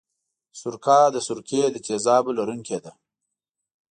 سرکه د سرکې د تیزابو لرونکې ده.